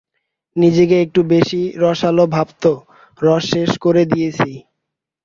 নিজেকে একটু বেশি রসাল ভাবত, রস শেষ করে দিয়েছি।